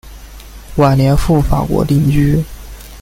晚年赴法国定居。